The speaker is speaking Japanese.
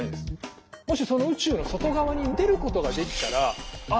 もしその宇宙の外側に出ることができたらあ